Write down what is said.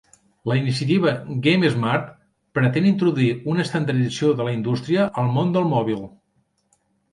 La iniciativa "GameSmart" pretén introduir una estandardització de la indústria al món del mòbil.